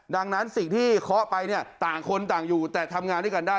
ดังนั้นสิ่งที่เคาะไปเนี่ยต่างคนต่างอยู่แต่ทำงานด้วยกันได้